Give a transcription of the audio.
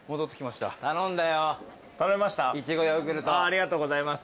ありがとうございます。